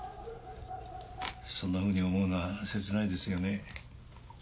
そんなふうに思うのは切ないですよね。